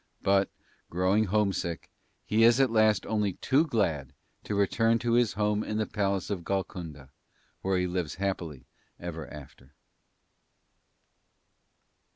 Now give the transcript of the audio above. But, growing homesick, he is at last only too glad to return to his home in the Palace of Golconda, where he lives happily ever after.